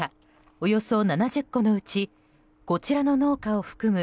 およそ７０戸のうちこちらの農家を含む